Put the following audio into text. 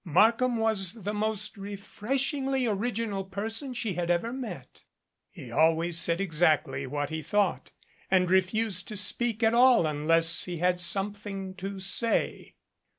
Markham was the most refreshingly original person she had ever met. He always said exactly what he thought and refused to speak at all unless he had something to say.